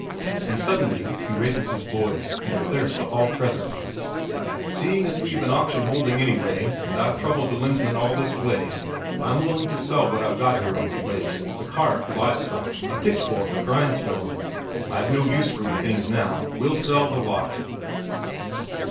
And suddenly he raises his voice and declares to all present: "Seeing as we've an auction holding anyhow, and I've troubled the Lensmand all this way, I'm willing to sell what I've got here on the place: the cart, live stock, a pitchfork, a grindstone. I've no use for the things now; we'll sell the lot!"